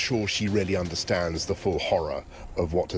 ว่ามักเพราะ